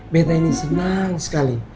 beta ini senang sekali